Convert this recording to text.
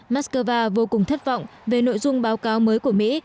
moscow vô cùng thất vọng về nội dung báo cáo mới của mỹ